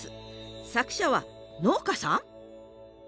作者は農家さん？